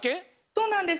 そうなんです。